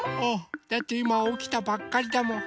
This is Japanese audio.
だっていまおきたばっかりだもん。